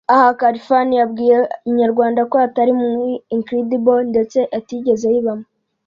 aha Khalfan yabwiye Inyarwanda ko atari muri Incredible ndetse atigeze ayibamo